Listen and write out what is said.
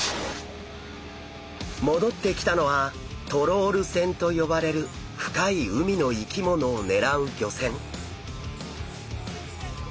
戻ってきたのはトロール船と呼ばれる深い海の生き物を狙う漁船。